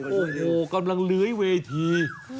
โอ้โหกำลังเลื้อยเวที